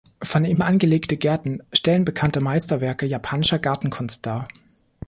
Von ihm angelegte Gärten stellen bekannte Meisterwerke japanischer Gartenkunst dar.